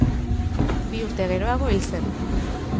Bi urte geroago hil zen.